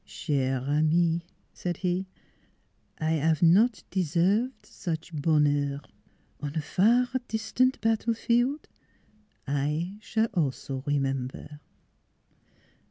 Chere amie," said he, " I 'ave not deserve such bonheur. On far distant battlefield I s'all also remembaire."